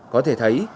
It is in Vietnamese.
có thể thấy